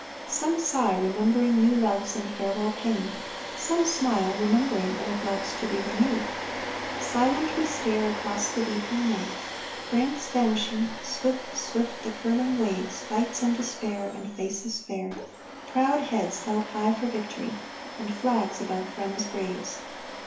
Some sigh, remembering new loves and farewell pain. Some smile, remembering old loves to be renewed. Silent, we stare across the deepening night. France vanishing! Swift, swift, the curling waves Fights and despair, And faces fair; Proud heads held high For Victory; And flags above friends' graves.